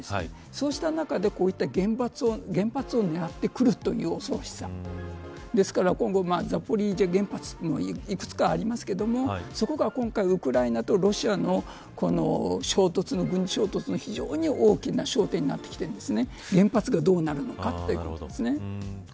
そうした中で、こうした原発を狙ってくるという恐ろしさですから今後、ザポリージャ原発いくつかありますけれどもそこが今回ウクライナとロシアの軍事衝突の非常に大きな争点になってきてるんです。